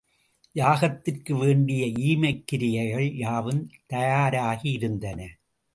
யாகத்திற்கு வேண்டிய சாமக்கிரியைகள் பலவும் தயாராயிருந்தன.